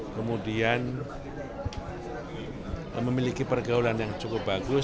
kemudian memiliki pergaulan yang cukup bagus